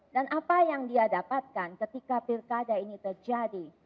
dan apa yang dia dapatkan ketika pilkada ini terjadi